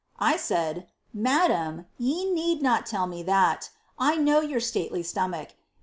1 said, ^ Madam, «d not tell me that. I know your stately stomach.